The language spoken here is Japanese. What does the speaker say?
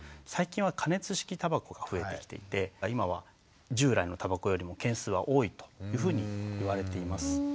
最近は加熱式たばこが増えてきていて今は従来のたばこよりも件数は多いというふうにいわれています。